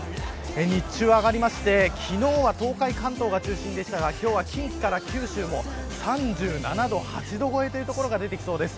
日中上がりまして昨日は東海、関東が中心でしたが今日は近畿から九州も３７度、３８度超えが出てきそうです。